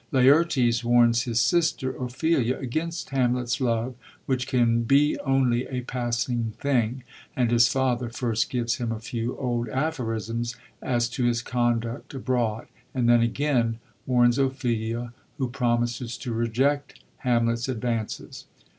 Laertes warns his sister Ophelia against Hamlet's love, which can be only a passing thing ; and his father first gives him a few old aphorisms as to his conduct abroad, and then again warns Ophelia, who promises to reject Hamlet's advances.